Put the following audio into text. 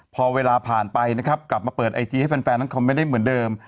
พอเวลาผ่านไปนะครับกลับมาเปิดไอจีให้แฟนนั้นคอมเมนต์ได้เหมือนเดิม